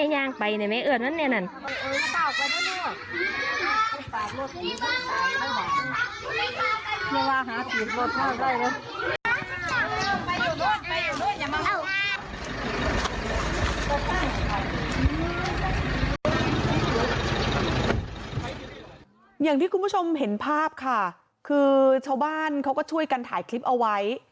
อย่างที่คุณผู้ชมเห็นภาพค่ะคือชาวบ้านเขาก็ช่วยกันถ่ายคลิปเอาไว้